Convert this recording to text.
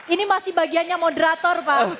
ini masih bagiannya moderator pak